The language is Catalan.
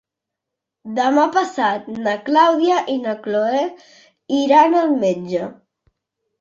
Demà passat na Clàudia i na Cloè iran al metge.